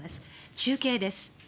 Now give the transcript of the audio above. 中継です。